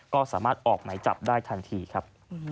ก็สามารถออกหมายจับได้ทันทีครับ